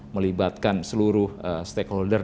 melibatkan seluruh stakeholder